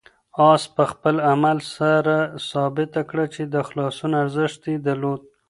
آس په خپل عمل سره ثابته کړه چې د خلاصون ارزښت یې درلود.